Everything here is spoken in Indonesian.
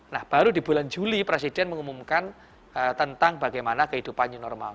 nah baru di bulan juli presiden mengumumkan tentang bagaimana kehidupan new normal